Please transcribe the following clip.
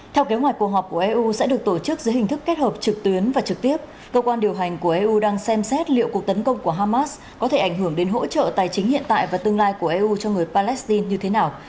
theo kế hoạch cuộc họp của eu sẽ được tổ chức dưới hình thức kết hợp trực tuyến và trực tiếp cơ quan điều hành của eu đang xem xét liệu cuộc tấn công của hamas có thể ảnh hưởng đến hỗ trợ tài chính hiện tại và tương lai của eu cho người palestine như thế nào